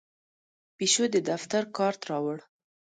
پیشو د دفتر کارت راوړ.